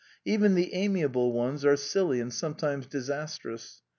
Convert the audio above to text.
Even the amiable ones are silly and sometimes disastrous.